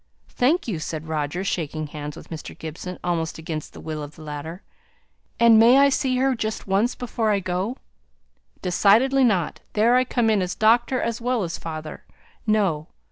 "Thank you!" said Roger, shaking hands with Mr. Gibson, almost against the will of the latter. "And I may see her, just once, before I go?" "Decidedly not. There I come in as doctor as well as father. No!"